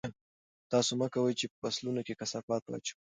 تاسو مه کوئ چې په فصلونو کې کثافات واچوئ.